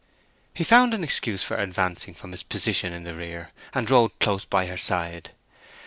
He soon found an excuse for advancing from his position in the rear, and rode close by her side.